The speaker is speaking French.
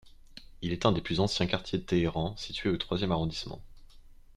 Il est un des plus anciens quartiers de Téhéran, situé au troisième arrondissement.